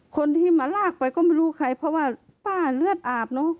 คนที่มาลากไปก็ไม่รู้ใครเพราะว่าป้าเลือดอาบเนอะ